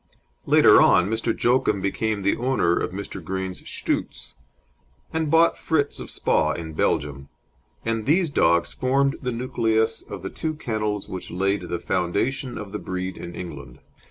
Later on Mr. Joachim became the owner of Mr. Green's Shtoots, and bought Fritz of Spa in Belgium, and these dogs formed the nucleus of the two kennels which laid the foundation of the breed in England.